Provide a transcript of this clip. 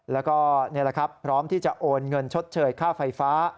แล้วก็นี่แหละครับพร้อมที่จะโอนเงินชดเชยค่าไฟฟ้า